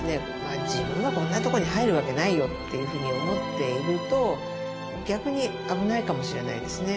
自分はこんなとこに入るわけないよっていうふうに思っていると逆に危ないかもしれないですね。